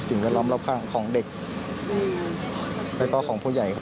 แวดล้อมรอบข้างของเด็กแล้วก็ของผู้ใหญ่ครับ